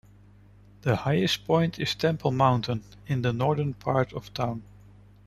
The highest point is Temple Mountain in the northern part of town.